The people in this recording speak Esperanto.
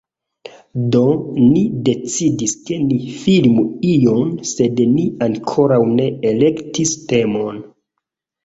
Do, ni decidis ke ni filmu ion sed ni ankoraŭ ne elektis temon